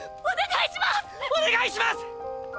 お願いします！！